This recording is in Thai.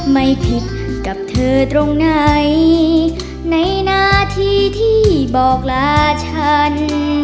ไม่ผิดกับเธอตรงไหนในหน้าที่ที่บอกลาฉัน